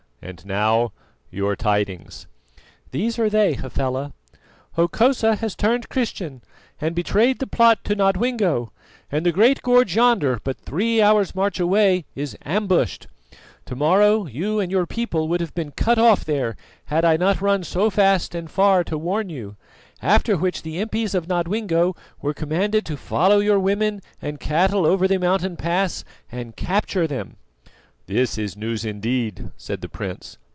And now your tidings." "These are they, Hafela. Hokosa has turned Christian and betrayed the plot to Nodwengo; and the great gorge yonder but three hours march away is ambushed. To morrow you and your people would have been cut off there had I not run so fast and far to warn you, after which the impis of Nodwengo were commanded to follow your women and cattle over the mountain pass and capture them." "This is news indeed," said the prince.